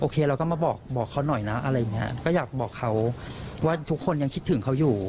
ก็อยากบอกเขาว่าทุกคนยังคิดถึงเขาอยู่